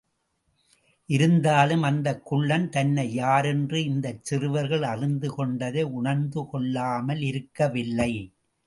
இருந்தாலும், அந்தக் குள்ளன் தன்னை யாரென்று இந்தச் சிறுவர்கள் அறிந்துகொண்டதை உணர்ந்துகொள்ளாமலிருக்கவில்லை.